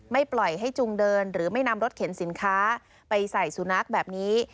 ปล่อยให้จุงเดินหรือไม่นำรถเข็นสินค้าไปใส่สุนัขแบบนี้